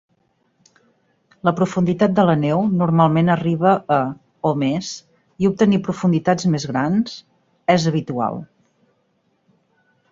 La profunditat de la neu normalment arriba a o més, i obtenir profunditats més grans és habitual.